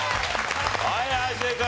はいはい正解。